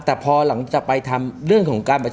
แต่พอหลังจากไปทำเรื่องของการ